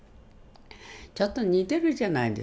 ちょっと似てるじゃないですか